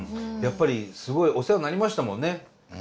やっぱりすごいお世話になりましたもんね。